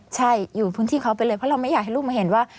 ใช่อยู่พื้นที่เขาไปเลยเพราะเราไม่อยากให้ลูกมาเห็นว่า